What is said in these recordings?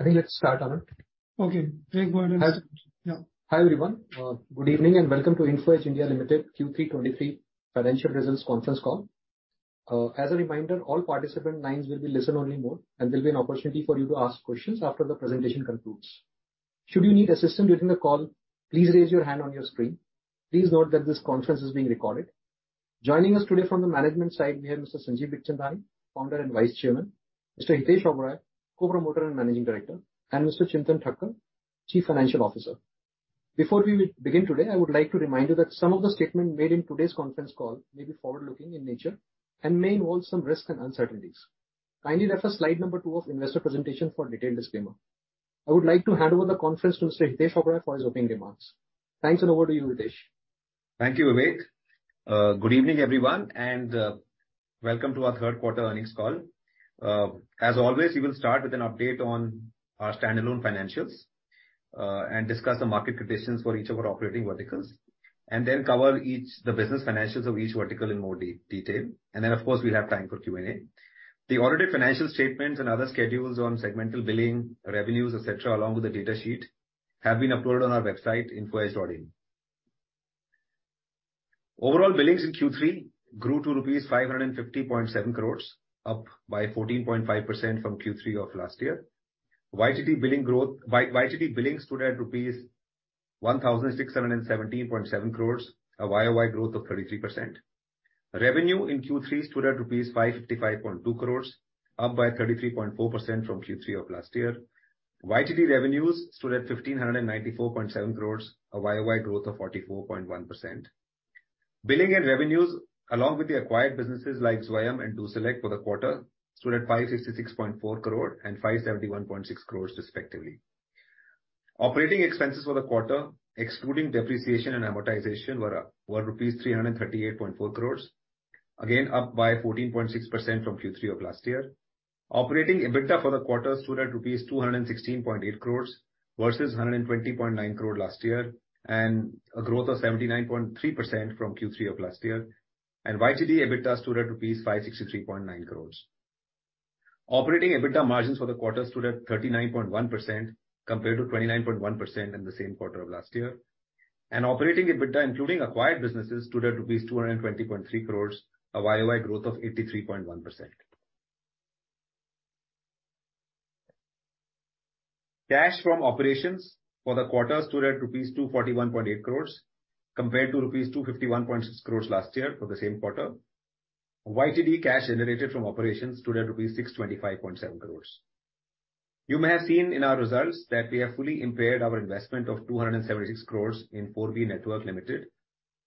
I think let's start, Hitesh. Okay. Hi, everyone. good evening and welcome to Info Edge (India) Limited Q3 2023 financial results conference call. as a reminder, all participant lines will be listen only mode and there'll be an opportunity for you to ask questions after the presentation concludes. Should you need assistance during the call, please raise your hand on your screen. Please note that this conference is being recorded. Joining us today from the management side we have Mr. Sanjeev Bikhchandani, founder and vice chairman. Mr. Hitesh Oberoi, co-promoter and managing director, and Mr. Chintan Thakkar, Chief Financial Officer. Before we begin today, I would like to remind you that some of the statement made in today's conference call may be forward-looking in nature and may involve some risks and uncertainties. Kindly refer slide 2 of investor presentation for detailed disclaimer. I would like to hand over the conference to Mr. Hitesh Oberoi for his opening remarks. Thanks and over to you, Hitesh. Thank you, Vivek. Good evening, everyone, and welcome to our third quarter earnings call. As always, we will start with an update on our standalone financials and discuss the market conditions for each of our operating verticals and then cover the business financials of each vertical in more detail. Then of course we'll have time for Q&A. The audited financial statements and other schedules on segmental billing, revenues, et cetera, along with the data sheet have been uploaded on our website Info Edge.in. Overall billings in Q3 grew to rupees 550.7 crores, up by 14.5% from Q3 of last year. YTD billing growth, YTD billings stood at rupees 1,617.7 crores, a YOY growth of 33%. Revenue in Q3 stood at rupees 555.2 crores, up by 33.4% from Q3 of last year. YTD revenues stood at 1,594.7 crores, a YOY growth of 44.1%. Billing and revenues along with the acquired businesses like Zwayam and DoSelect for the quarter stood at 566.4 crore and 571.6 crores respectively. Operating expenses for the quarter excluding depreciation and amortization were rupees 338.4 crores. Again up by 14.6% from Q3 of last year. Operating EBITDA for the quarter stood at rupees 216.8 crores versus 120.9 crore last year and a growth of 79.3% from Q3 of last year. YTD EBITDA stood at rupees 563.9 crores. Operating EBITDA margins for the quarter stood at 39.1% compared to 29.1% in the same quarter of last year. Operating EBITDA including acquired businesses stood at rupees 220.3 crores, a YOY growth of 83.1%. Cash from operations for the quarter stood at rupees 241.8 crores compared to rupees 251.6 crores last year for the same quarter. YTD cash generated from operations stood at rupees 625.7 crores. You may have seen in our results that we have fully impaired our investment of 276 crores in 4B Network Limited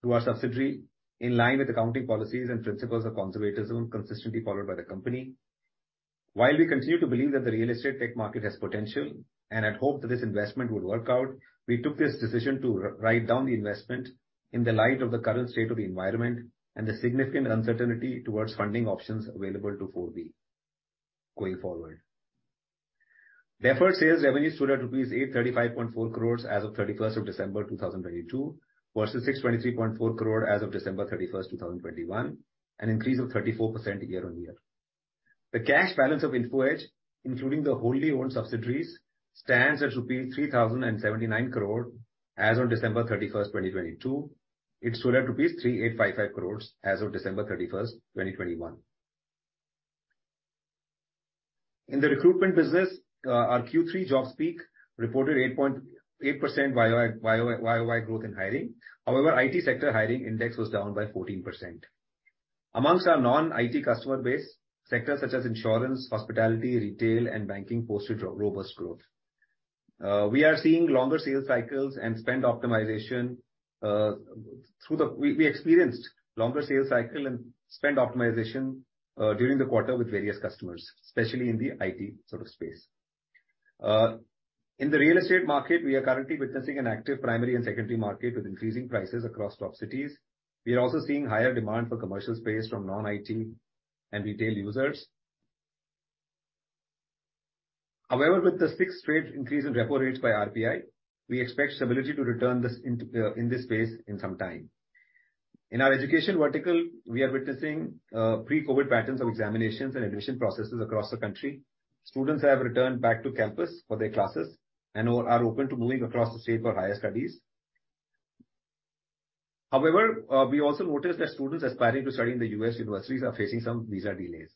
through our subsidiary in line with accounting policies and principles of conservatism consistently followed by the company. While we continue to believe that the real estate tech market has potential, and had hoped that this investment would work out, we took this decision to write down the investment in the light of the current state of the environment and the significant uncertainty towards funding options available to 4B going forward. Sales revenue stood at rupees 835.4 crore as of December 31, 2022 versus 623.4 crore as of December 31, 2021, an increase of 34% year-on-year. The cash balance of Info Edge, including the wholly owned subsidiaries, stands at rupees 3,079 crore as on December 31, 2022. It stood at rupees 3,855 crore as of December 31, 2021. In the recruitment business, our Q3 JobSpeak reported 8.8% YOY growth in hiring. IT sector hiring index was down by 14%. Among our non-IT customer base, sectors such as insurance, hospitality, retail and banking posted robust growth. We experienced longer sales cycle and spend optimization during the quarter with various customers, especially in the IT sort of space. In the real estate market we are currently witnessing an active primary and secondary market with increasing prices across top cities. We are also seeing higher demand for commercial space from non-IT and retail users. However with the sixth straight increase in repo rates by RBI, we expect stability to return in this space in some time. In our education vertical we are witnessing pre-COVID patterns of examinations and admission processes across the country. Students have returned back to campus for their classes and are open to moving across the state for higher studies. We also noticed that students aspiring to study in the U.S. universities are facing some visa delays.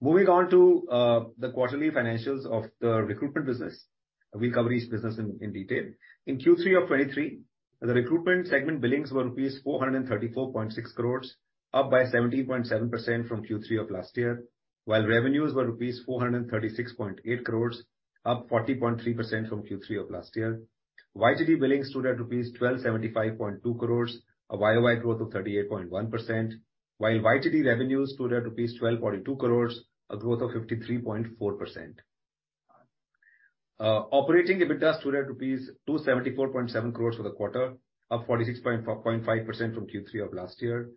Moving on to the quarterly financials of the recruitment business. We'll cover each business in detail. In Q3 of 2023 the recruitment segment billings were rupees 434.6 crores, up by 17.7% from Q3 of last year while revenues were rupees 436.8 crores, up 40.3% from Q3 of last year. YTD billings stood at rupees 1,275.2 crores, a year-over-year growth of 38.1% while YTD revenues stood at rupees 12.2 crores, a growth of 53.4%. Operating EBITDA stood at rupees 274.7 crores for the quarter, up 46.5% from Q3 of last year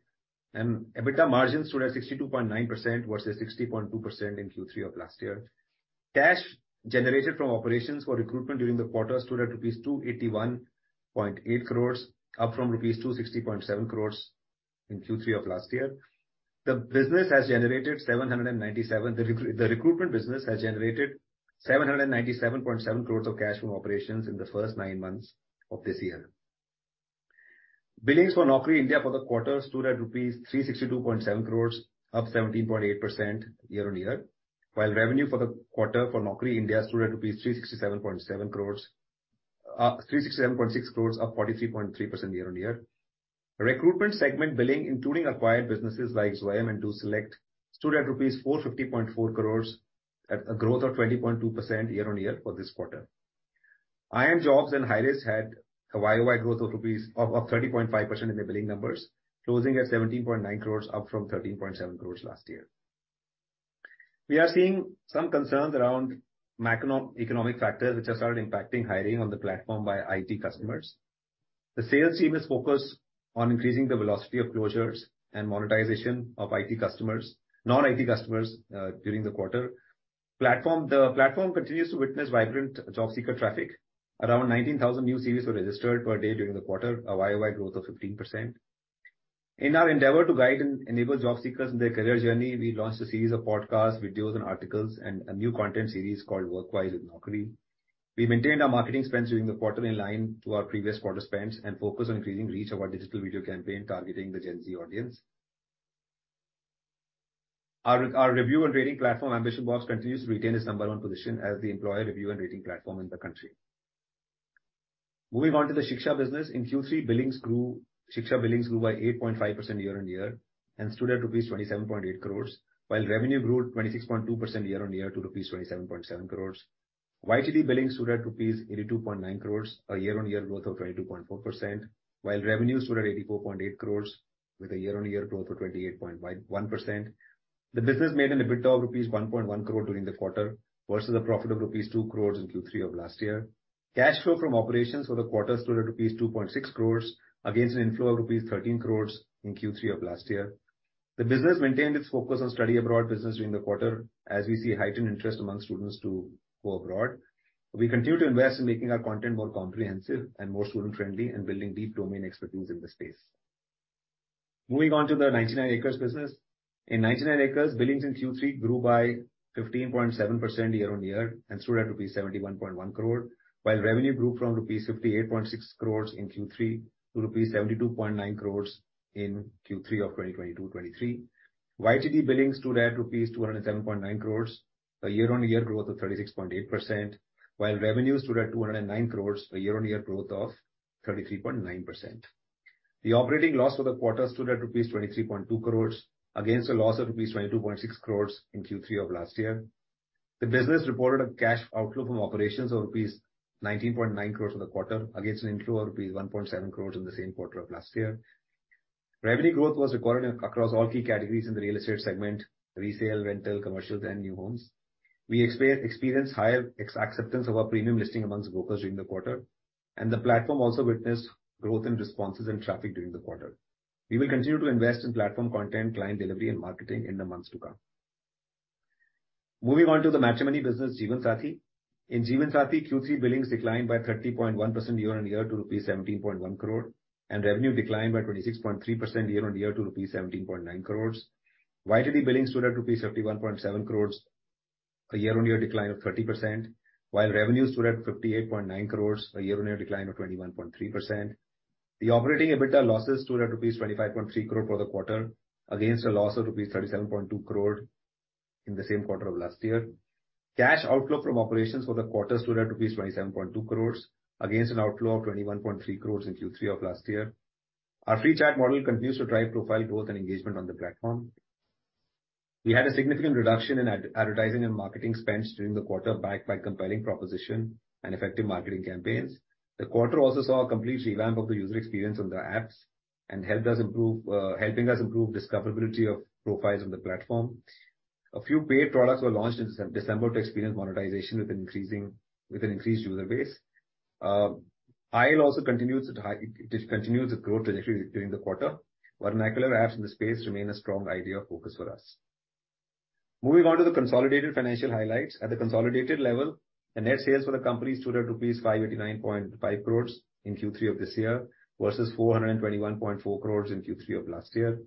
and EBITDA margins stood at 62.9% versus 60.2% in Q3 of last year. Cash generated from operations for recruitment during the quarter stood at rupees 281.8 crores, up from rupees 260.7 crores in Q3 of last year. The recruitment business has generated 797.7 crores of cash from operations in the first nine months of this year. Billings for Naukri India for the quarter stood at rupees 362.7 crores, up 17.8% year-on-year. Revenue for the quarter for Naukri India stood at 367.6 crores, up 43.3% year-on-year. Recruitment segment billing, including acquired businesses like Zwayam and DoSelect, stood at rupees 450.4 crores at a growth of 20.2% year-on-year for this quarter. iimjobs and hirist had a YOY growth of rupees of 30.5% in their billing numbers, closing at 17.9 crores, up from 13.7 crores last year. We are seeing some concerns around macroeconomic factors which have started impacting hiring on the platform by IT customers. The sales team is focused on increasing the velocity of closures and monetization of IT customers, non-IT customers, during the quarter. The platform continues to witness vibrant job seeker traffic. Around 19,000 new CVs were registered per day during the quarter, a YOY growth of 15%. In our endeavor to guide and enable job seekers in their career journey, we launched a series of podcasts, videos, and articles and a new content series called Workwise with Naukri. We maintained our marketing spend during the quarter in line to our previous quarter spends and focus on increasing reach of our digital video campaign targeting the Gen Z audience. Our review and rating platform, AmbitionBox, continues to retain its number one position as the employer review and rating platform in the country. Moving on to the Shiksha business. In Q3, Shiksha billings grew by 8.5% year-on-year and stood at rupees 27.8 crores, while revenue grew 26.2% year-on-year to rupees 27.7 crores. YTD billing stood at rupees 82.9 crores, a year-on-year growth of 22.4%, while revenues stood at 84.8 crores with a year-on-year growth of 28.1%. The business made an EBITDA of rupees 1.1 crore during the quarter versus a profit of rupees 2 crores in Q3 of last year. Cash flow from operations for the quarter stood at rupees 2.6 crores against an inflow of rupees 13 crores in Q3 of last year. The business maintained its focus on study abroad business during the quarter as we see heightened interest among students to go abroad. We continue to invest in making our content more comprehensive and more student-friendly and building deep domain expertise in the space. Moving on to the 99acres business. In 99acres, billings in Q3 grew by 15.7% year-on-year and stood at rupees 71.1 crore, while revenue grew from rupees 58.6 crores in Q3 to rupees 72.9 crores in Q3 of 2022-23. YTD billings stood at rupees 207.9 crores, a year-on-year growth of 36.8%, while revenues stood at 209 crores, a year-on-year growth of 33.9%. The operating loss for the quarter stood at rupees 23.2 crores against a loss of rupees 22.6 crores in Q3 of last year. The business reported a cash outflow from operations of rupees 19.9 crore for the quarter against an inflow of rupees 1.7 crore in the same quarter of last year. Revenue growth was recorded across all key categories in the real estate segment, resale, rental, commercials and new homes. We experienced higher acceptance of our premium listing amongst brokers during the quarter, the platform also witnessed growth in responses and traffic during the quarter. We will continue to invest in platform content, client delivery and marketing in the months to come. Moving on to the matrimony business, Jeevansathi. In Jeevansathi, Q3 billings declined by 30.1% year-on-year to rupees 17.1 crore and revenue declined by 26.3% year-on-year to rupees 17.9 crore. YTD billing stood at rupees 51.7 crore, a year-on-year decline of 30%, while revenues stood at 58.9 crore, a year-on-year decline of 21.3%. The operating EBITDA losses stood at rupees 25.3 crore for the quarter, against a loss of rupees 37.2 crore in the same quarter of last year. Cash outflow from operations for the quarter stood at 27.2 crore against an outflow of 21.3 crore in Q3 of last year. Our free chat model continues to drive profile growth and engagement on the platform. We had a significant reduction in advertising and marketing spends during the quarter, backed by compelling proposition and effective marketing campaigns. The quarter also saw a complete revamp of the user experience on the apps and helped us improve discoverability of profiles on the platform. A few paid products were launched in December to experience monetization with an increased user base. Aisle also continues its growth trajectory during the quarter. Vernacular apps in the space remain a strong area of focus for us. Moving on to the consolidated financial highlights. At the consolidated level, the net sales for the company stood at rupees 589.5 crores in Q3 of this year versus 421.4 crores in Q3 of last year.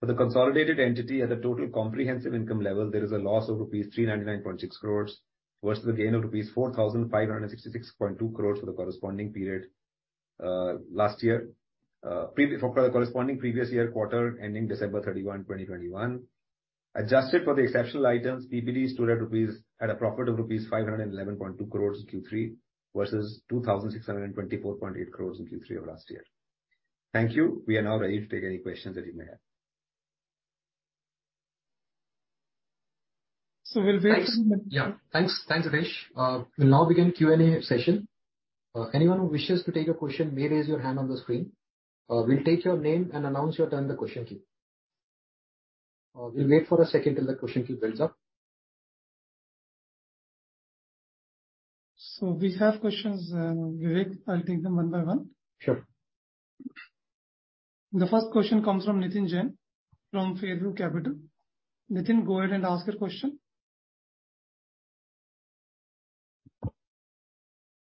For the consolidated entity, at a total comprehensive income level, there is a loss of rupees 399.6 crores versus the gain of rupees 4,566.2 crores for the corresponding period last year, for the corresponding previous year quarter ending December 31, 2021. Adjusted for the exceptional items, PBT stood at a profit of rupees 511.2 crores in Q3 versus 2,624.8 crores in Q3 of last year. Thank you. We are now ready to take any questions that you may have. We will. Thanks. Yeah. Thanks. Thanks, Ravi. We will now begin Q&A session. Anyone who wishes to take a question may raise your hand on the screen. We'll take your name and announce your turn in the question queue. We will wait for a second till the question queue builds up. We have questions, Vivek. I'll take them one by one. Sure. The first question comes from Nitin Jain, from Fairview Investment. Nitin, go ahead and ask your question.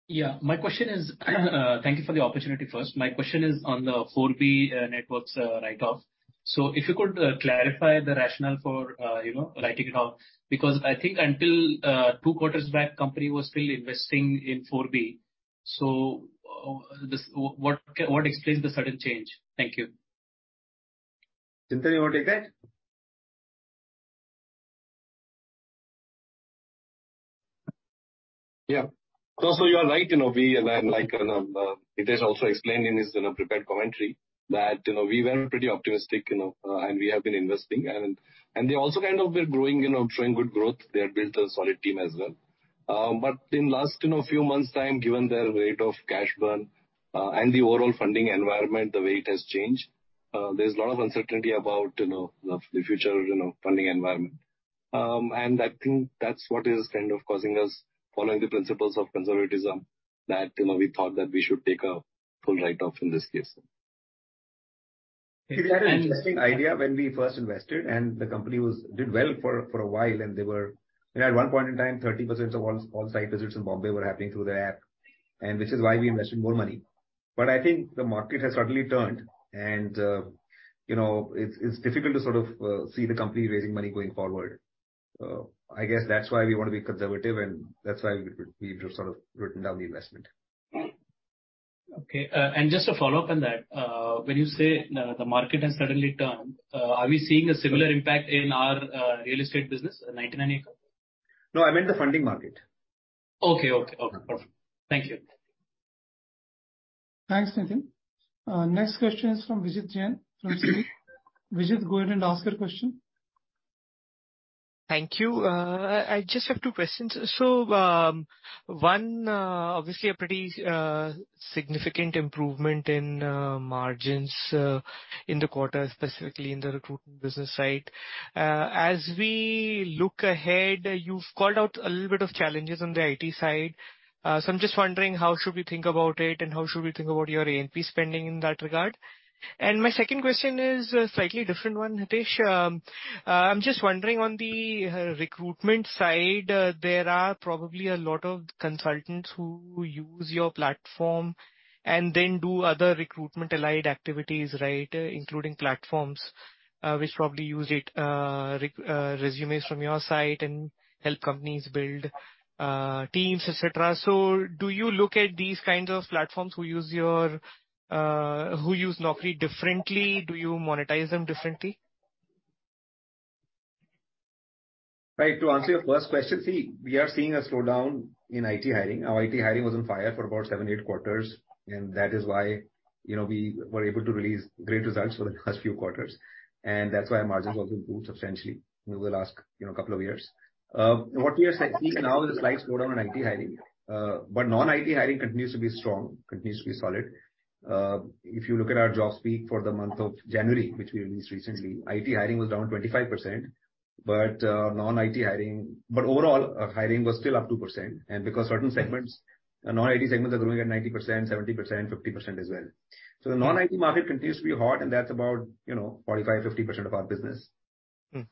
Yeah. My question is, thank you for the opportunity first. My question is on the 4B Networks write-off. If you could clarify the rationale for, you know, writing it off, because I think until two quarters back, company was still investing in 4B. What explains the sudden change? Thank you. Chintan, you wanna take that? Yeah. You are right, you know, we, and like Hitesh also explained in his, you know, prepared commentary that, you know, we were pretty optimistic, you know, and we have been investing and they also kind of were growing, you know, showing good growth. They had built a solid team as well. In last, you know, few months' time, given their rate of cash burn, and the overall funding environment, the way it has changed, there is a lot of uncertainty about, you know, the future, you know, funding environment. I think that's what is kind of causing us, following the principles of conservatism, that, you know, we thought that we should take a full write-off in this case. It was an interesting idea when we first invested, the company did well for a while and they were, you know, at one point in time, 30% of all site visits in Bombay were happening through their app, which is why we invested more money. I think the market has suddenly turned and, you know, it's difficult to sort of see the company raising money going forward. I guess that is why we wanna be conservative, and that's why we've sort of written down the investment. Okay. Just a follow-up on that. When you say the market has suddenly turned, are we seeing a similar impact in our real estate business, 99acres? No, I meant the funding market. Okay. Okay. Okay. Perfect. Thank you. Thanks, Chintan. Next question is from Vijit Jain from Citi. Vijit, go ahead and ask your question. Thank you. I just have two questions. One, obviously a pretty significant improvement in margins in the quarter, specifically in the recruitment business side. As we look ahead, you have called out a little bit of challenges on the IT side. I'm just wondering how should we think about it, and how should we think about your A&P spending in that regard? My second question is a slightly different one, Hitesh. I'm just wondering on the recruitment side, there are probably a lot of consultants who use your platform and then do other recruitment allied activities, right, including platforms, which probably use it resumes from your site and help companies build teams, et cetera. Do you look at these kinds of platforms who use your who use Naukri differently? Do you monetize them differently? Right. To answer your first question, see, we are seeing a slowdown in IT hiring. Our IT hiring was on fire for about 7, 8 quarters, that is why, you know, we were able to release great results for the last few quarters. That's why our margins also improved substantially over the last, you know, couple of years. What we are seeing now is a slight slowdown on IT hiring. Non-IT hiring continues to be strong, continues to be solid. If you look at our JobSpeak for the month of January, which we released recently, IT hiring was down 25%, overall, hiring was still up 2%. Because certain segments, non-IT segments are growing at 90%, 70%, 50% as well. The non-IT market continues to be hot, and that's about, you know, 45%-50% of our business. Mm.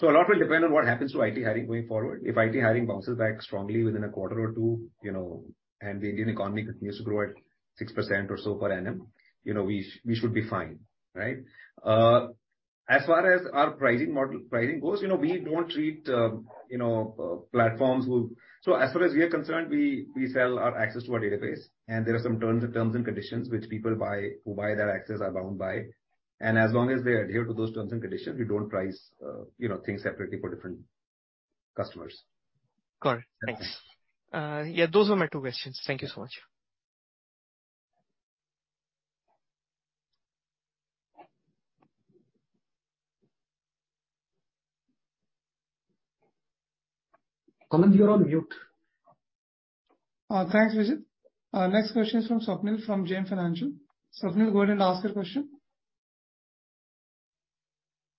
A lot will depend on what happens to IT hiring going forward. If IT hiring bounces back strongly within a quarter or two, you know, and the Indian economy continues to grow at 6% or so per annum, you know, we should be fine, right? As far as our pricing model, pricing goes, you know, we don't treat, you know, platforms who... As far as we are concerned, we sell our access to our database, and there are some terms and conditions which people buy, who buy that access are bound by. As long as they adhere to those terms and conditions, we don't price, you know, things separately for different customers. Got it. Thanks. Yeah, those were my 2 questions. Thank you so much. Kunal, you are on mute. Thanks, Hitesh. Next question is from Swapnil from JM Financial. Swapnil, go ahead and ask your question.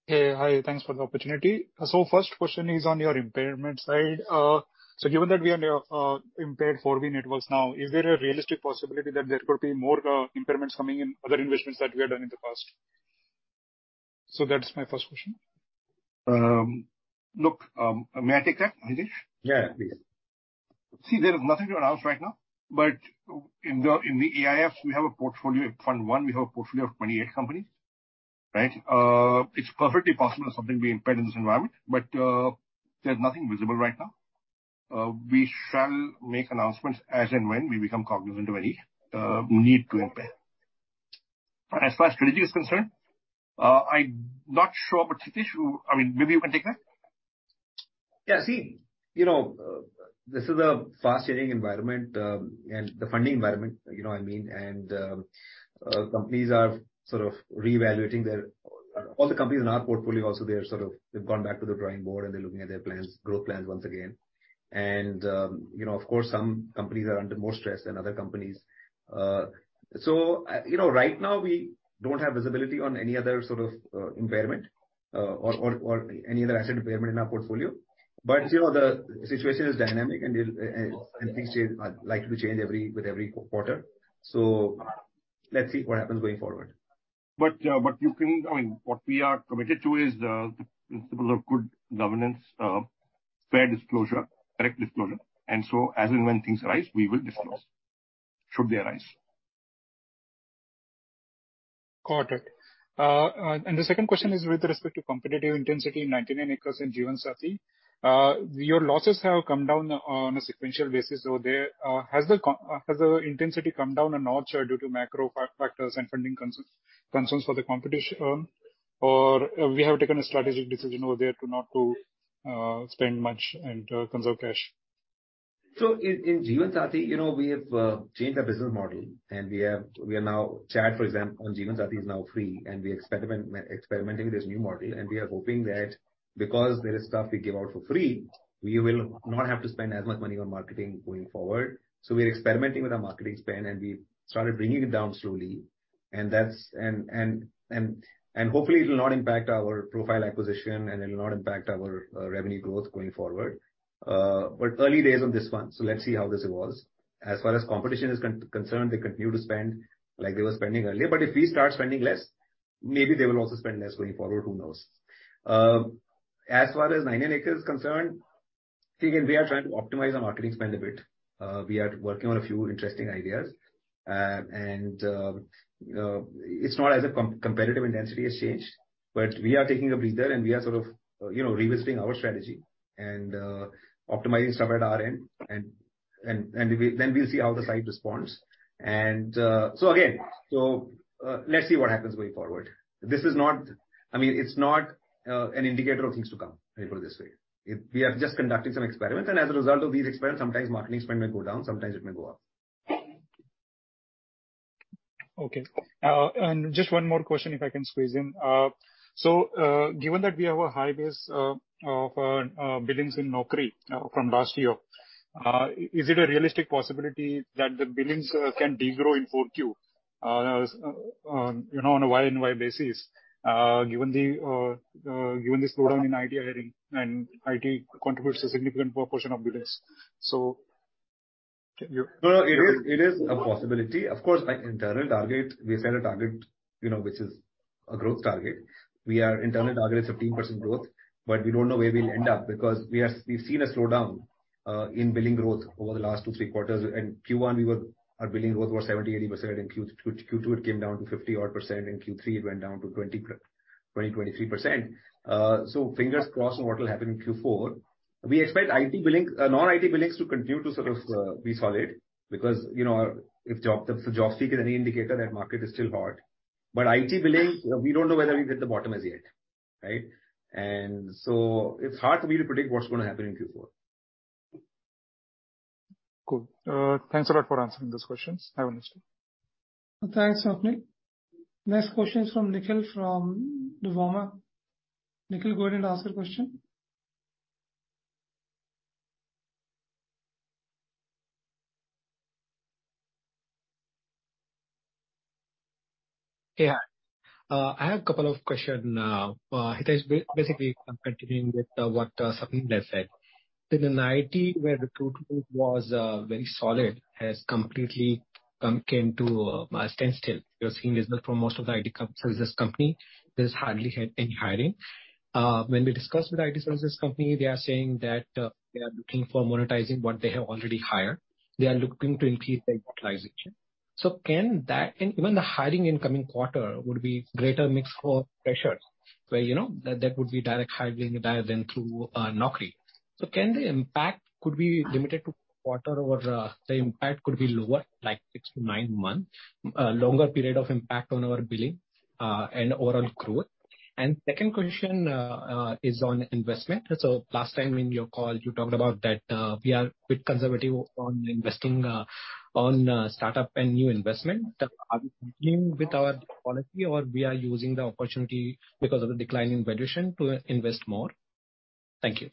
Hey. Hi. Thanks for the opportunity. First question is on your impairment side. Given that we are near impaired 4B Networks now, is there a realistic possibility that there could be more impairments coming in other investments that we have done in the past? That's my first question. Look, may I take that, Hitesh? Yeah, please. See, there is nothing to announce right now, in the EIFs we have a portfolio. In fund one, we have a portfolio of 28 companies, right? It's perfectly possible something may be impaired in this environment, but there's nothing visible right now. We shall make announcements as and when we become cognizant of any need to impair. As far as strategy is concerned, I'm not sure. Hitesh, I mean, maybe you can take that. Yeah. See, you know, this is a fast-changing environment, and the funding environment, you know, I mean. Companies are sort of reevaluating. All the companies in our portfolio also, they are sort of, they've gone back to the drawing board and they're looking at their plans, growth plans once again. Of course, some companies are under more stress than other companies. Right now we don't have visibility on any other sort of impairment or any other asset impairment in our portfolio. You know, the situation is dynamic, and things change, are likely to change every, with every quarter. Let's see what happens going forward. I mean, what we are committed to is the principle of good governance, fair disclosure, correct disclosure. As and when things arise, we will disclose. Should they arise. Got it. The second question is with respect to competitive intensity in 99acres and Jeevansathi. Your losses have come down on a sequential basis over there. Has the intensity come down a notch or due to macro factors and funding concerns for the competition term? Have you taken a strategic decision over there to not to spend much and conserve cash? In Jeevansathi, you know, we have changed our business model, and chat, for example, on Jeevansathi is now free, and experimenting with this new model. We are hoping that because there is stuff we give out for free, we will not have to spend as much money on marketing going forward. So we are experimenting with our marketing spend, and we have started bringing it down slowly. Hopefully it'll not impact our profile acquisition and it'll not impact our revenue growth going forward. Early days on this one, let's see how this evolves. As far as competition is concerned, they continue to spend like they were spending earlier. If we start spending less, maybe they will also spend less going forward, who knows? As far as 99acres is concerned, again, we are trying to optimize our marketing spend a bit. We are working on a few interesting ideas. It's not as if competitive intensity has changed, but we are taking a breather, and we are sort of, you know, revisiting our strategy and optimizing stuff at our end. Then we'll see how the site responds. Again, let's see what happens going forward. I mean, it's not an indicator of things to come, let me put it this way. We are just conducting some experiments, and as a result of these experiments, sometimes marketing spend may go down, sometimes it may go up. Okay. Just one more question if I can squeeze in. Given that we have a high base of billings in Naukri from last year, is it a realistic possibility that the billings can degrow in 4Q, you know, on a Y-o-Y basis, given the slowdown in IT hiring and IT contributes a significant proportion of billings. Can you. No, no. It is a possibility. Of course, my internal target, we set a target, you know, which is a growth target. We are internal target is 15% growth, but we don't know where we'll end up because we have seen a slowdown in billing growth over the last two, three quarters. In Q1, our billing growth was 70%, 80%. In Q2, it came down to 50 odd percent. In Q3, it went down to 20%, 23%. Fingers crossed on what will happen in Q4. We expect IT billing, non-IT billings to continue to sort of be solid because, you know, if JobSpeak is any indicator, that market is still hot. IT billing, we don't know whether we have hit the bottom as yet, right? It's hard for me to predict what's gonna happen in Q4. Cool. Thanks a lot for answering those questions. Have a nice day. Thanks, Swapnil. Next question is from Nikhil from BofA. Nikhil, go ahead and ask your question. Yeah. I have a couple of question, Hitesh. I'm continuing with what Swapnil has said. In an IT where recruitment was very solid, has completely came to a standstill. We are seeing this look for most of the IT services company, there's hardly had any hiring. When we discussed with IT services company, they are saying that they are looking for monetizing what they have already hired. They are looking to increase their utilization. Can that... Even the hiring in coming quarter would be greater mix for freshers, where, you know, that would be direct hiring rather than through Naukri. Can the impact could be limited to quarter or the impact could be lower, like six to nine months, longer period of impact on our billing, and overall growth? Second question, is on investment. Last time in your call you talked about that, we are bit conservative on investing, on, startup and new investment. Are we continuing with our policy or we are using the opportunity because of the decline in valuation to invest more? Thank you.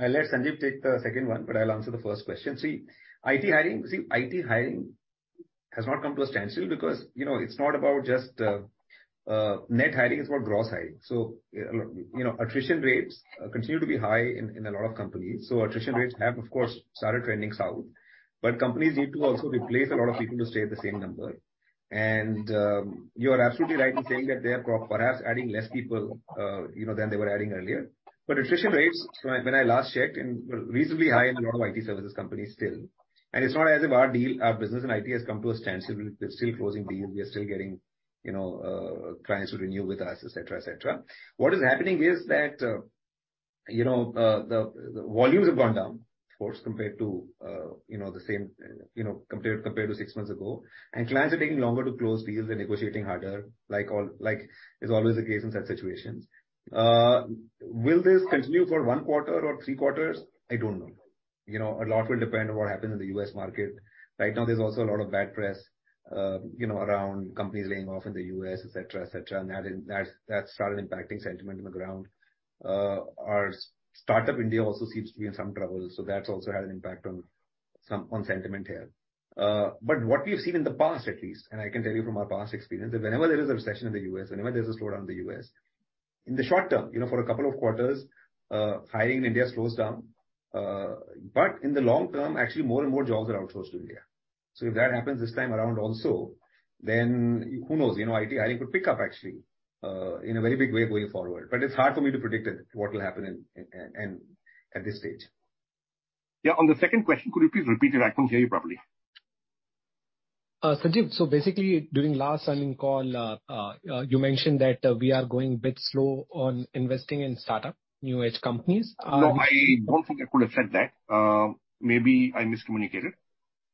I'll let Sanjeev take the second one, but I'll answer the first question. IT hiring has not come to a standstill because, you know, it's not about just net hiring, it's about gross hiring. You know, attrition rates continue to be high in a lot of companies. Attrition rates have, of course, started trending south. Companies need to also replace a lot of people to stay at the same number. You are absolutely right in saying that they are perhaps adding less people, you know, than they were adding earlier. Attrition rates when I last checked and were reasonably high in a lot of IT services companies still. It's not as if our deal, our business in IT has come to a standstill. We are still closing deals. We are still getting, you know, clients to renew with us, et cetera, et cetera. What is happening is that, you know, the volumes have gone down, of course, compared to, you know, the same, compared to six months ago. Clients are taking longer to close deals. They're negotiating harder, like all, is always the case in such situations. Will this continue for one quarter or three quarters? I don't know. You know, a lot will depend on what happens in the U.S. market. Right now there is also a lot of bad press, you know, around companies laying off in the U.S., et cetera, et cetera. That is, that's started impacting sentiment on the ground. Our Startup India also seems to be in some trouble, that's also had an impact on sentiment here. What we have seen in the past at least, and I can tell you from our past experience, that whenever there is a recession in the U.S., whenever there is a slowdown in the U.S. In the short term, you know, for 2 quarters, hiring in India slows down. In the long term, actually more and more jobs are outsourced to India. If that happens this time around also, who knows, you know, IT hiring could pick up actually in a very big way going forward. It's hard for me to predict it, what will happen at this stage. On the second question, could you please repeat it? I couldn't hear you properly. Sanjeev, basically during last earnings call, you mentioned that we are going a bit slow on investing in startup new age companies. I don't think I could have said that. Maybe I miscommunicated.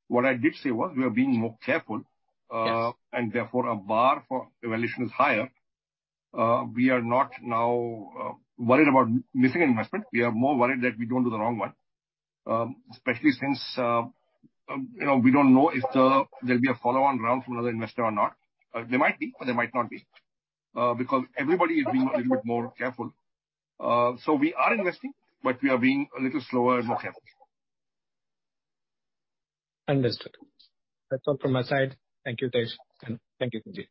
What I did say was we are being more careful. Therefore a bar for evaluation is higher. We are not now worried about missing investment. We are more worried that we don't do the wrong one. Especially since, you know, we don't know if there will be a follow-on round from another investor or not. There might be or there might not be because everybody is being a little bit more careful. We are investing, but we are being a little slower and more careful. Understood. That is all from my side. Thank you, Hitesh. Thank you, Sanjeev.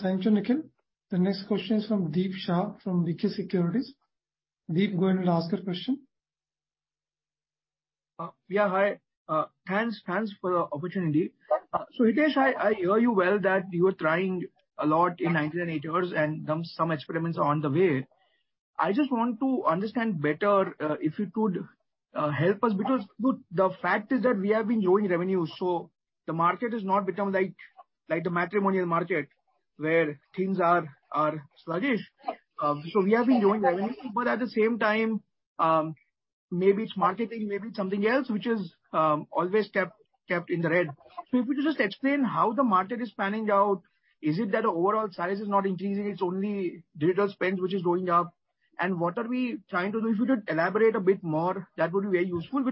Thank you, Nikhil. The next question is from Deep Shah, from B&K Securities. Deep, go ahead and ask your question. Yeah, hi. Thanks for the opportunity. Hitesh, I hear you well that you are trying a lot in nineteen eighty years and some experiments are on the way. I just want to understand better if you could help us because the fact is that we have been growing revenue, the market has not become like the matrimonial market where things are sluggish. We have been growing revenue, but at the same time, maybe it's marketing, maybe it's something else which is always kept in the red. If you could just explain how the market is panning out. Is it that the overall size is not increasing, it's only digital spend which is going up? What are we trying to do? If you could elaborate a bit more, that would be very useful.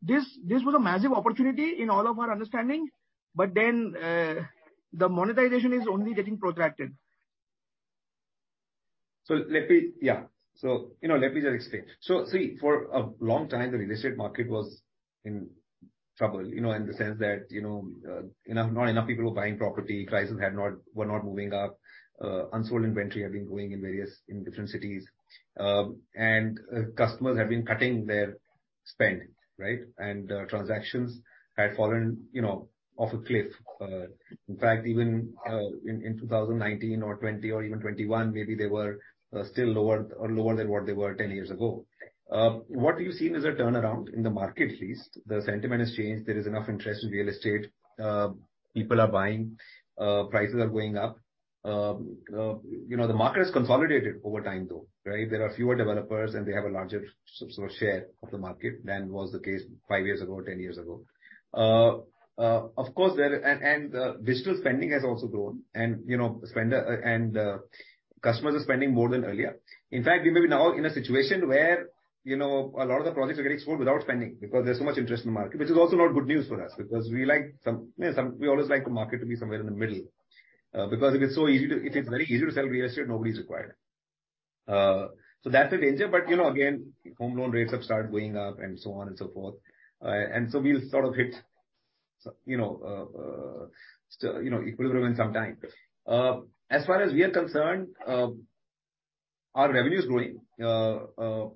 This was a massive opportunity in all of our understanding, but then, the monetization is only getting protracted. So let me. Yeah. you know, let me just explain. See, for a long time the real estate market was in trouble, you know, in the sense that, you know, not enough people were buying property. Prices had not, were not moving up. Unsold inventory had been growing in various, in different cities. Customers had been cutting their spend, right? Transactions had fallen, you know, off a cliff. In fact, even, in 2019 or '20 or even '21, maybe they were still lower or lower than what they were 10 years ago. What you have seen is a turnaround in the market at least. The sentiment has changed. There is enough interest in real estate. People are buying, prices are going up. You know, the market has consolidated over time though, right? There are fewer developers, and they have a larger sort of share of the market than was the case 5 years ago, 10 years ago. Of course, digital spending has also grown and, you know, customers are spending more than earlier. In fact, we may be now in a situation where, you know, a lot of the projects are getting sold without spending because there's so much interest in the market, which is also not good news for us because we like some, you know, we always like the market to be somewhere in the middle. If it's very easy to sell real estate, nobody's required. That's a danger, but you know, again, home loan rates have started going up and so on and so forth. We will sort of hit, you know, equilibrium in some time. As far as we are concerned, our revenue is growing.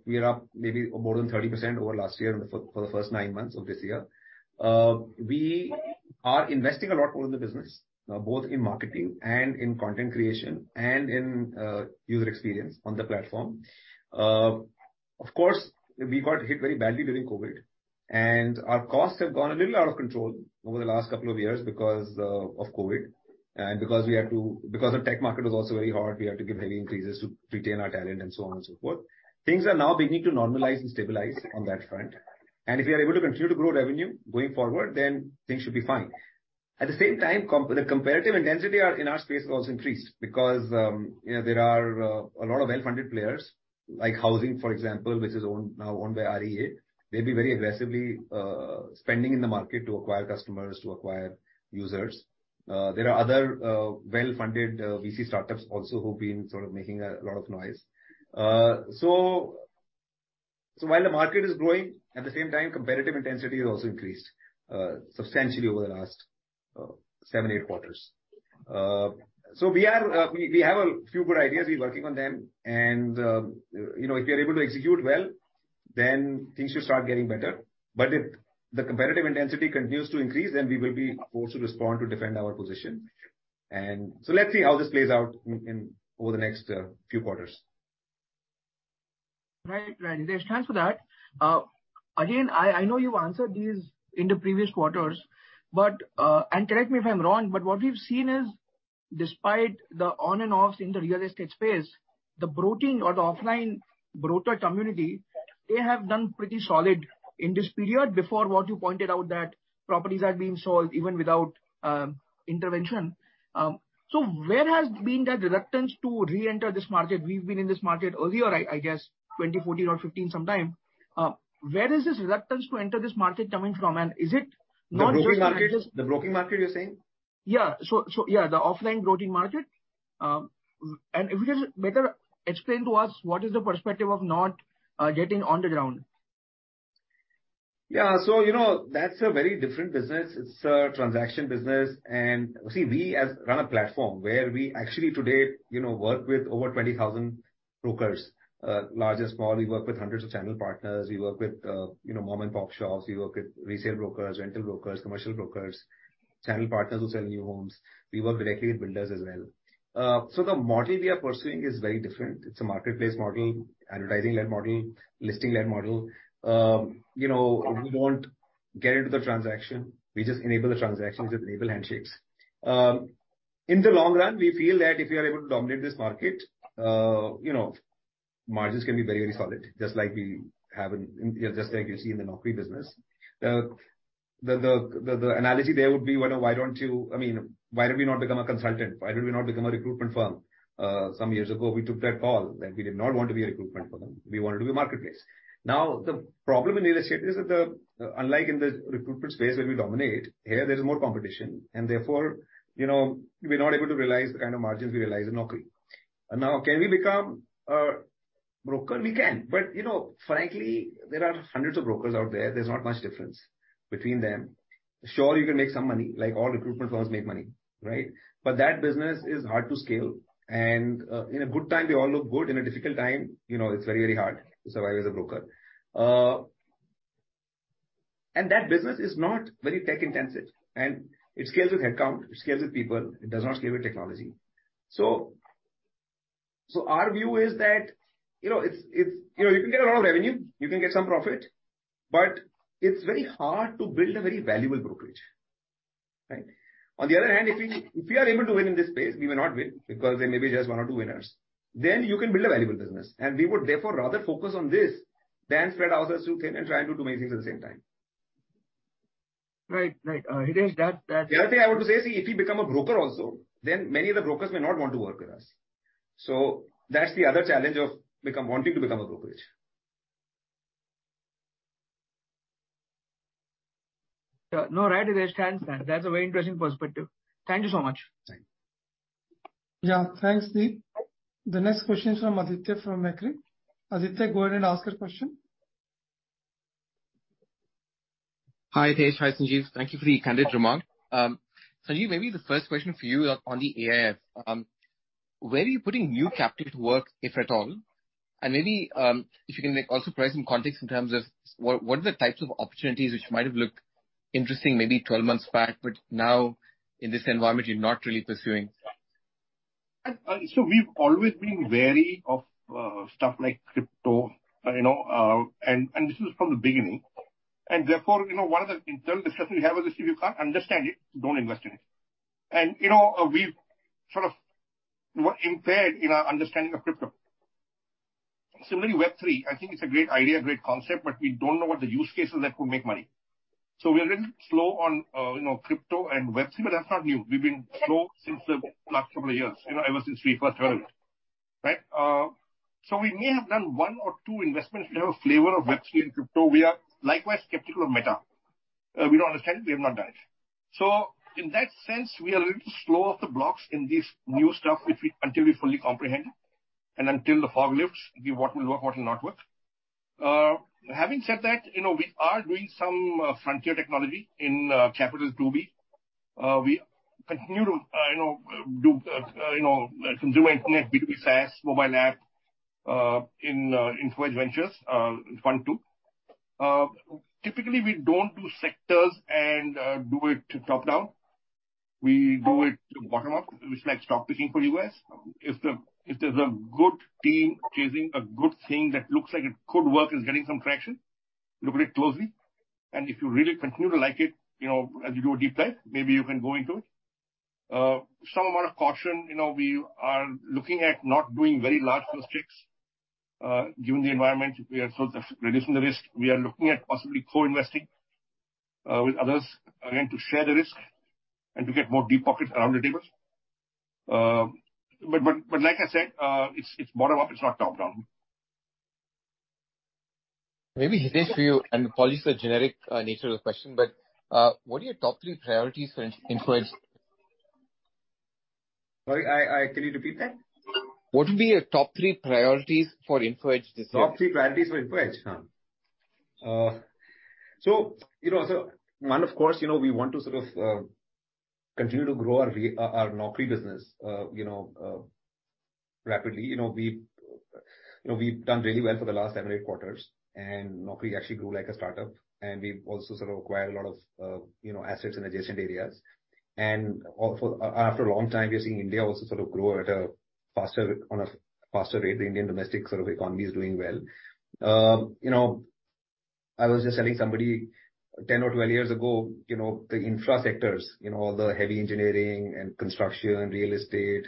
We are up maybe more than 30% over last year in the, for the first nine months of this year. We are investing a lot more in the business, both in marketing and in content creation and in user experience on the platform. Of course, we got hit very badly during COVID, and our costs have gone a little out of control over the last couple of years because of COVID, and because we had to. Because the tech market was also very hard, we had to give heavy increases to retain our talent and so on and so forth. Things are now beginning to normalize and stabilize on that front. If we are able to continue to grow revenue going forward, then things should be fine. At the same time, the competitive intensity are, in our space has also increased because, you know, there are a lot of well-funded players, like Housing, for example, which is owned, now owned by REA. They've been very aggressively spending in the market to acquire customers, to acquire users. There are other well-funded VC startups also who have been sort of making a lot of noise. So while the market is growing, at the same time, competitive intensity has also increased substantially over the last 7, 8 quarters. We have a few good ideas. We're working on them and, you know, if we are able to execute well, then things should start getting better. If the competitive intensity continues to increase, then we will be forced to respond to defend our position. Let's see how this plays out in, over the next, few quarters. Right. Right. Hitesh, thanks for that. again, I know you've answered these in the previous quarters, but, and correct me if I'm wrong, but what we've seen is despite the on and offs in the real estate space, the broking or the offline broker community, they have done pretty solid in this period before what you pointed out that properties are being sold even without intervention. So where has been that reluctance to reenter this market? We've been in this market earlier, I guess, 2014 or 2015 sometime. where is this reluctance to enter this market coming from? is it not just? The broking market? The broking market, you're saying? Yeah. Yeah, the offline broking market. If you can better explain to us what is the perspective of not getting on the ground. Yeah. You know, that's a very different business. It's a transaction business. See, we run a platform where we actually today, you know, work with over 20,000 brokers, large and small. We work with hundreds of channel partners. We work with, you know, mom-and-pop shops. We work with resale brokers, rental brokers, commercial brokers, channel partners who sell new homes. We work directly with builders as well. So the model we are pursuing is very different. It's a marketplace model, advertising-led model, listing-led model. You know, we won't get into the transaction. We just enable the transactions and enable handshakes. In the long run, we feel that if we are able to dominate this market, you know, margins can be very, very solid, just like we have, just like you see in the Naukri business. The analogy there would be, you know, why don't you... I mean, why don't we not become a consultant? Why don't we not become a recruitment firm? Some years ago we took that call, that we did not want to be a recruitment firm. We wanted to be a marketplace. The problem in real estate is that unlike in the recruitment space where we dominate, here there is more competition and therefore, you know, we are not able to realize the kind of margins we realize in Naukri. Can we become a broker? We can. You know, frankly, there are hundreds of brokers out there. There's not much difference between them. Sure, you can make some money, like all recruitment firms make money, right? That business is hard to scale. In a good time, they all look good. In a difficult time, you know, it's very, very hard to survive as a broker. That business is not very tech-intensive, and it scales with headcount, it scales with people, it does not scale with technology. Our view is that, you know, it's, you know, you can get a lot of revenue, you can get some profit, but it's very hard to build a very valuable brokerage, right? On the other hand, if we, if we are able to win in this space, we may not win because there may be just one or two winners, then you can build a valuable business. We would therefore rather focus on this than spread ourselves too thin and try and do too many things at the same time. Right. Right. Hitesh, that. The other thing I want to say is, see, if we become a broker also, then many of the brokers may not want to work with us. That's the other challenge of wanting to become a brokerage. No, right, Hitesh. Understood. That's a very interesting perspective. Thank you so much. Thank you. Yeah, thanks, Deep. The next question is from Aditya from Macquarie. Aditya, go ahead and ask your question. Hi, Hitesh. Hi, Sanjeev. Thank you for the candid remark. Sanjeev, maybe the first question for you on the AIF. Where are you putting new capital to work, if at all? Maybe, if you can like also provide some context in terms of what are the types of opportunities which might have looked interesting maybe 12 months back but now in this environment you are not really pursuing? We've always been wary of stuff like crypto, you know. This is from the beginning. Therefore, you know, one of the internal discussions we have is if you can't understand it, don't invest in it. You know, we've sort of were impaired in our understanding of crypto. Similarly, Web3, I think it's a great idea, great concept, but we don't know what the use cases that will make money. We are little slow on, you know, crypto and Web3, but that's not new. We've been slow since the last couple of years, you know, ever since we first heard of it, right? We may have done 1 or 2 investments. We have a flavor of Web3 and crypto. We are likewise skeptical of Meta. We don't understand, we have not done it. In that sense, we are a little slow off the blocks in this new stuff which until we fully comprehend it and until the fog lifts, what will work, what will not work. Having said that, you know, we are doing some frontier technology in Capital2B. We continue to, you know, do, you know, consumer internet, B2B SaaS, mobile app, in Info Edge Ventures, fund two. Typically we don't do sectors and do it top-down. We do it bottom-up. It's like stock picking for U.S. If there's a good team chasing a good thing that looks like it could work, is getting some traction, look at it closely, and if you really continue to like it, you know, as you do a deep dive, maybe you can go into it. Some amount of caution. You know, we are looking at not doing very large deal checks, given the environment. We are sort of reducing the risk. We are looking at possibly co-investing with others, again, to share the risk and to get more deep pockets around the table. Like I said, it's bottom-up, it's not top-down. Maybe Hitesh for you, and apologies for the generic nature of the question, but, what are your top three priorities for Info Edge? Sorry, Can you repeat that? What would be your top three priorities for Info Edge this year? Top three priorities for Info Edge, huh? You know, so one, of course, you know, we want to sort of, continue to grow our Naukri business, you know, rapidly. You know, we have, you know, we've done really well for the last seven, eight quarters, and Naukri actually grew like a startup. We've also sort of acquired a lot of, you know, assets in adjacent areas. And also after a long time, we are seeing India also sort of grow at a faster, on a faster rate. The Indian domestic sort of economy is doing well. You know, I was just telling somebody 10 or 12 years ago, you know, the infra sectors, you know, all the heavy engineering and construction, real estate,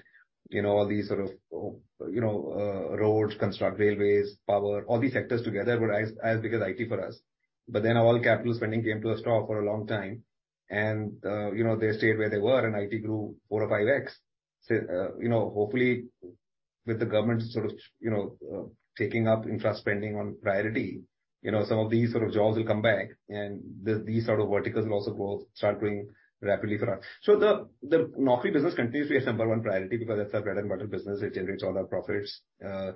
you know, all these sort of, you know, roads, construct railways, power, all these sectors together were as big as IT for us. All capital spending came to a stall for a long time and, you know, they stayed where they were and IT grew 4 or 5 X. With the government sort of, you know, taking up infra-spending on priority, you know, some of these sort of jobs will come back and these sort of verticals will also grow, start growing rapidly for us. The Naukri business continues to be our number 1 priority because that's our bread and butter business. It generates all our profits. Our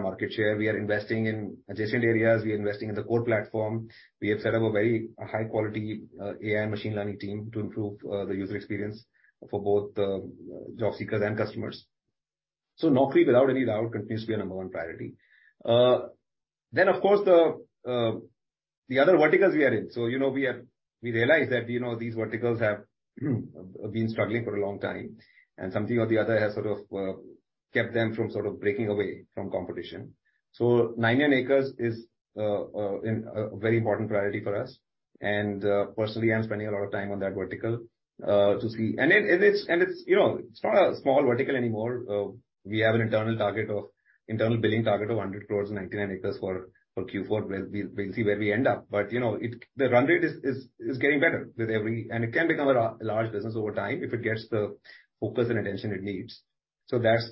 market share. We are investing in adjacent areas. We are investing in the core platform. We have set up a very high quality AI and machine learning team to improve the user experience for both job seekers and customers. Naukri, without any doubt, continues to be our number one priority. Then of course, the other verticals we are in. We realize that these verticals have been struggling for a long time and something or the other has sort of kept them from sort of breaking away from competition. 99acres is a very important priority for us. And personally, I'm spending a lot of time on that vertical to see. It's, you know, it's not a small vertical anymore. We have an internal billing target of 100 crore in 99acres for Q4. We'll see where we end up. You know the run rate is getting better with every. It can become a large business over time if it gets the focus and attention it needs. That's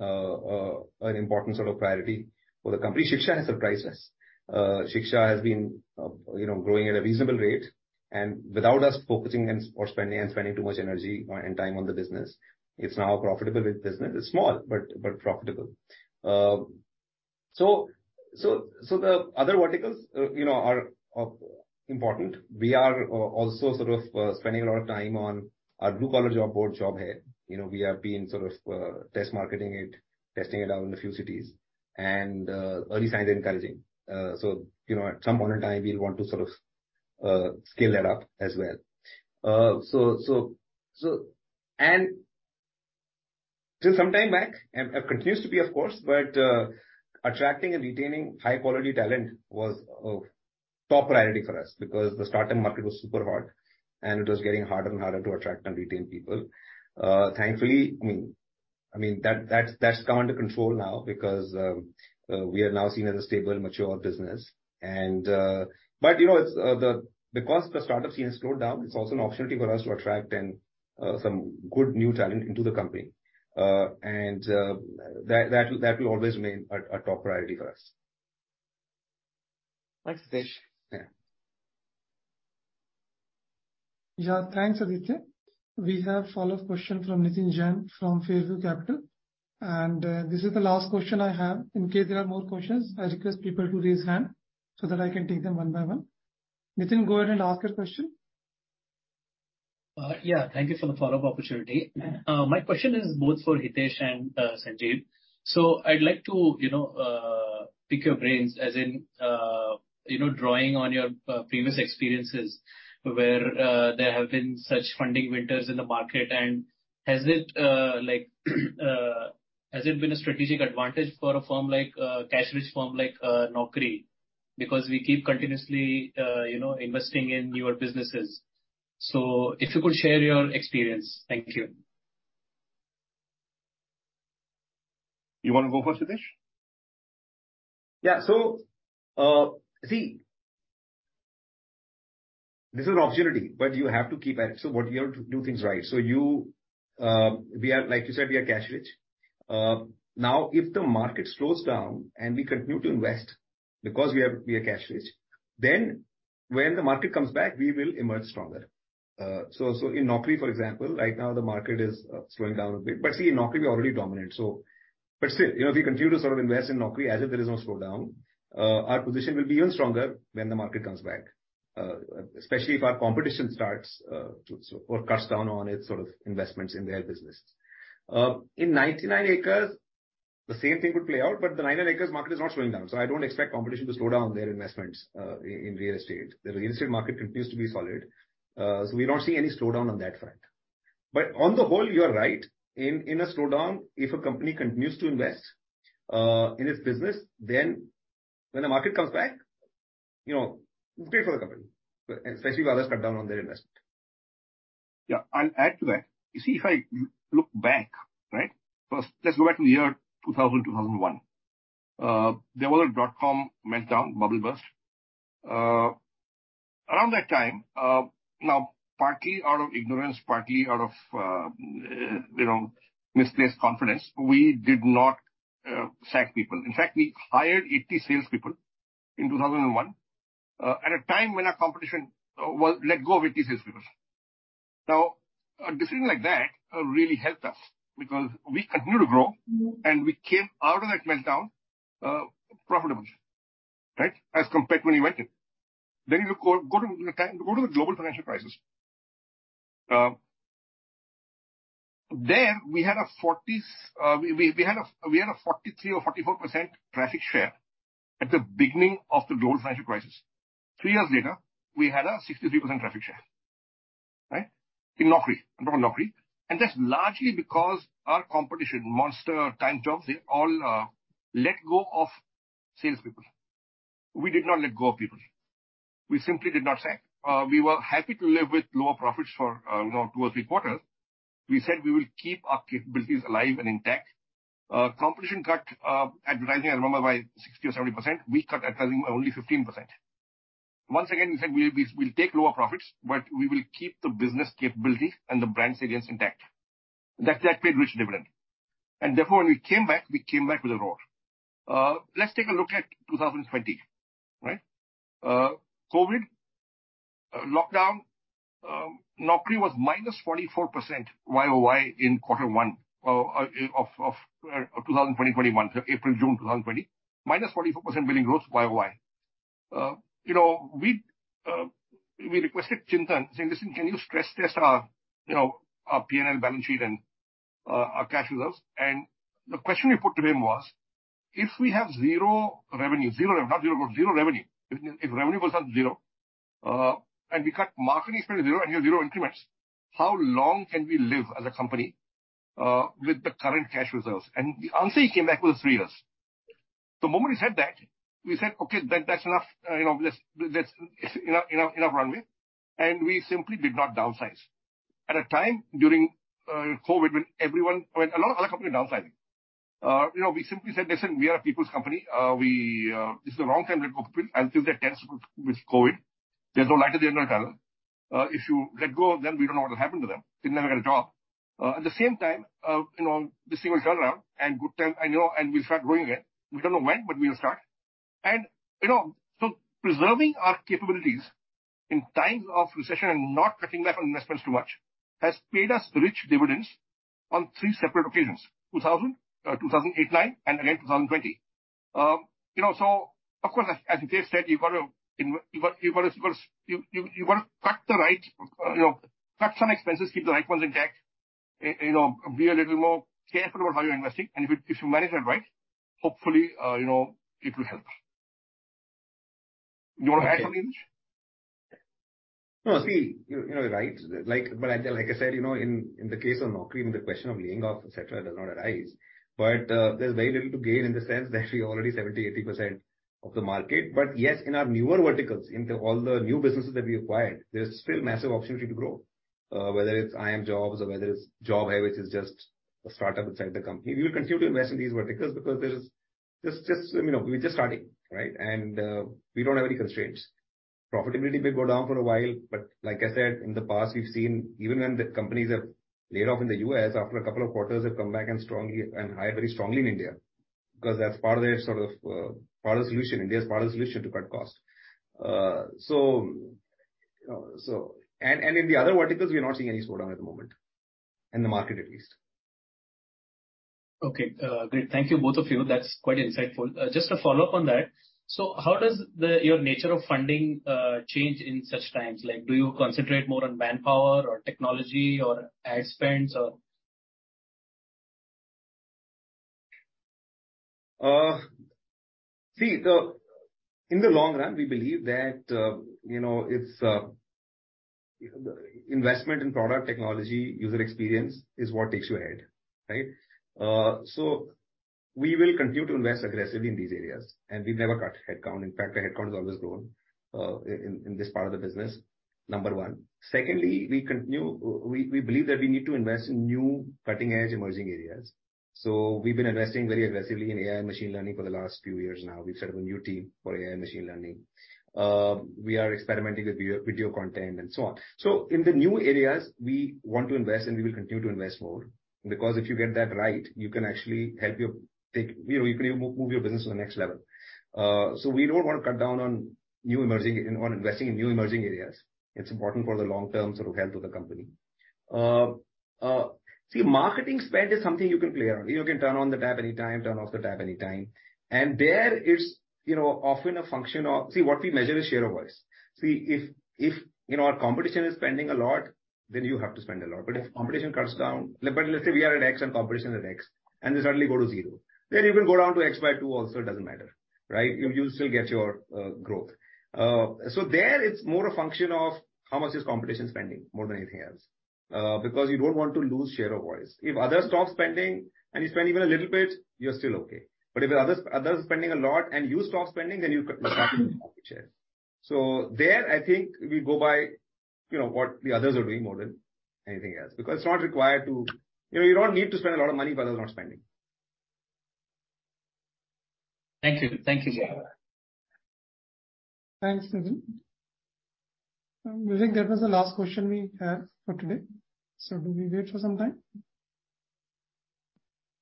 an important sort of priority for the company. Shiksha has surprised us. Shiksha has been, you know, growing at a reasonable rate without us focusing or spending too much energy and time on the business. It's now a profitable business. It's small, but profitable. So the other verticals, you know, are important. We are also sort of spending a lot of time on our blue-collar job board, Job Hai. You know, we have been sort of test marketing it, testing it out in a few cities. Early signs are encouraging. You know, at some point in time we'll want to sort of scale that up as well. Till some time back, and continues to be, of course, attracting and retaining high-quality talent was a top priority for us because the startup market was super hot and it was getting harder and harder to attract and retain people. Thankfully, I mean, that's come under control now because we are now seen as a stable, mature business and. You know, because the startup scene has slowed down, it's also an opportunity for us to attract some good new talent into the company. That will always remain a top priority for us. Thanks, Hitesh. Thanks, Aditya. We have follow-up question from Nitin Jain from Fairview Investment. This is the last question I have. In case there are more questions, I request people to raise hand so that I can take them one by one. Nitin, go ahead and ask your question. Thank you for the follow-up opportunity. My question is both for Mr. Hitesh Oberoi and Mr. Sanjeev Bikhchandani. So I'd like to pick your brains as in, drawing on your previous experiences where there have been such funding winters in the market. And has it been a strategic advantage for a firm like cash-rich firm like Info Edge? Because we keep continuously investing in newer businesses. So if you could share your experience. Thank you. You wanna go first, Hitesh? Yeah. See, this is an opportunity, but you have to keep at it. What you have to do things right. You, we are, like you said, we are cash rich. Now if the market slows down and we continue to invest because we are cash rich, then when the market comes back, we will emerge stronger. In Naukri, for example, right now the market is slowing down a bit. See, in Naukri we're already dominant. Still, you know, if we continue to sort of invest in Naukri as if there is no slowdown, our position will be even stronger when the market comes back. Especially if our competition starts to or cuts down on its sort of investments in their business. In 99acres the same thing could play out, the 99acres market is not slowing down. I don't expect competition to slow down their investments in real estate. The real estate market continues to be solid. We don't see any slowdown on that front. On the whole, you are right. In a slowdown, if a company continues to invest in its business, when the market comes back, you know, it's great for the company, especially if others cut down on their investment. Yeah. I'll add to that. You see if I look back, right? First, let's go back to the year 2000, 2001. There was a dot-com meltdown, bubble burst. Around that time, partly out of ignorance, partly out of, you know, misplaced confidence, we did not sack people. In fact, we hired 80 salespeople in 2001, at a time when our competition, well, let go of 80 salespeople. A decision like that, really helped us because we continued to grow and we came out of that meltdown, profitable, right? As compared to when we went in. You go to the time, go to the global financial crisis. There we had a 43% or 44% traffic share at the beginning of the global financial crisis. 3 years later, we had a 63% traffic share, right? In Naukri. I'm talking about Naukri. That's largely because our competition, Monster, TimesJobs, they all let go of salespeople. We did not let go of people. We simply did not sack. We were happy to live with lower profits for, you know, 2 or 3 quarters. We said we will keep our capabilities alive and intact. Competition cut advertising, I remember by 60% or 70%. We cut advertising by only 15%. Once again, we said we'll take lower profits, but we will keep the business capabilities and the brand salience intact. That paid rich dividend. Therefore, when we came back, we came back with a roar. Let's take a look at 2020, right? COVID, lockdown, Naukri was -44% Y-o-Y in quarter one of 2020-2021. April, June 2020. -44% billing growth Y-o-Y. You know, we requested Chintan, saying: "Listen, can you stress test our, you know, our P&L balance sheet and our cash reserves?" The question we put to him was: If we have zero revenue, zero revenue, not zero growth, zero revenue. If revenue goes down to 0, and we cut marketing spend to 0 and we have 0 increments, how long can we live as a company with the current cash reserves? The answer he came back with was 3 years. The moment he said that, we said, "Okay, that's enough. You know, It's enough runway." We simply did not downsize. At a time during COVID, when everyone when a lot of other companies were downsizing. You know, we simply said, "Listen, we are a people's company. We, this is the wrong time to let go of people until they're comfortable with COVID. There is no light at the end of the tunnel. If you let go of them, we don't know what will happen to them. They'll never get a job. At the same time, you know, this thing will turn around and good times, and, you know, we'll start growing again. We don't know when, but we'll start. You know, so preserving our capabilities in times of recession and not cutting back on investments too much has paid us rich dividends on three separate occasions: 2000, 2008, 2009, and again, 2020. You know, so of course, as Hitesh said, you have got to you've gotta, you've gotta you've gotta cut the right, you know, cut some expenses, keep the right ones intact. You know, be a little more careful about how you are investing. If you, if you manage that right, hopefully, you know, it will help. You wanna add something, Hitesh? No. See, you know you are right. Like, I said, you know, in the case of Naukri, I mean, the question of laying off, et cetera, does not arise. There's very little to gain in the sense that we're already 70%, 80% of the market. Yes, in our newer verticals, in the all the new businesses that we acquired, there is still massive opportunity to grow. Whether it's iimjobs or whether it's Job Hai, which is just a startup inside the company. We will continue to invest in these verticals because there's just, you know, we're just starting, right? We don't have any constraints. Profitability may go down for a while, like I said, in the past we have seen even when the companies have laid off in the US, after a couple of quarters they've come back and strongly, and hired very strongly in India, because that's part of their sort of, part of the solution. India is part of the solution to cut costs. So in the other verticals, we're not seeing any slowdown at the moment. In the market, at least. Okay. Great. Thank you, both of you. That's quite insightful. Just a follow-up on that. How does the, your nature of funding, change in such times? Like, do you concentrate more on manpower or technology or ad spends or? In the long run, we believe that, you know, it's investment in product technology, user experience is what takes you ahead, right. We will continue to invest aggressively in these areas. We've never cut headcount. In fact, the headcount has always grown in this part of the business. Number 1. Secondly, we continue, we believe that we need to invest in new cutting-edge emerging areas. We have been investing very aggressively in AI and machine learning for the last few years now. We've set up a new team for AI and machine learning. We are experimenting with video content and so on. In the new areas we want to invest, and we will continue to invest more because if you get that right, you can actually help your. Take, you know, you can even move your business to the next level. We don't wanna cut down on investing in new emerging areas. It's important for the long-term sort of health of the company. See, marketing spend is something you can play around. You can turn on the tap anytime, turn off the tap anytime. There it's, you know. See, what we measure is share of voice. See if, you know, our competition is spending a lot, then you have to spend a lot. If competition cuts down, like, but let's say we are at X and competition at X, and they suddenly go to zero, then you can go down to X by two also, it doesn't matter, right? You'll still get your growth. There it's more a function of how much is competition spending more than anything else. Because you don't want to lose share of voice. If others stop spending and you spend even a little bit, you are still okay. If others are spending a lot and you stop spending, then you're cutting into your market shares. There, I think we go by, you know, what the others are doing more than anything else. Because it's not required to. You know, you don't need to spend a lot of money if others are not spending. Thank you. Thank you, Hitesh. Thanks, Nitin. I think that was the last question we have for today. Do we wait for some time?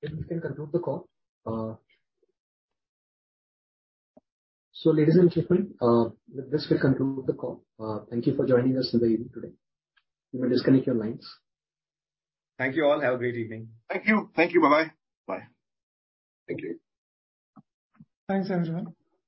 We can conclude the call. Ladies and gentlemen, with this we conclude the call. Thank you for joining us in the evening today. You may disconnect your lines. Thank you all. Have a great evening. Thank you. Thank you. Bye-bye. Bye. Thank you. Thanks, everyone.